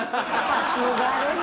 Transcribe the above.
さすがです。